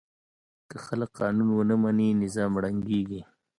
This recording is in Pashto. که خلک قانون ونه مني، نظام ړنګېږي.